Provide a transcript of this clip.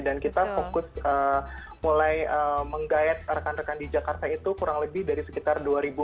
dan kita fokus mulai menggayat rekan rekan di jakarta itu kurang lebih dari sekitar dua ribu empat belas